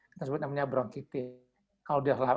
kita sebut namanya bronkitis